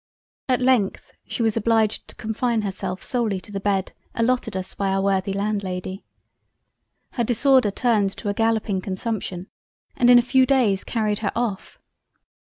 At length she was obliged to confine herself solely to the Bed allotted us by our worthy Landlady—. Her disorder turned to a galloping Consumption and in a few days carried her off.